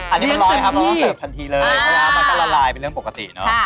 อันนี้มันร้อนไหมครับเราก็เสิร์ฟทันทีเลยเพราะว่ามันก็ละลายเป็นเรื่องปกติเนอะ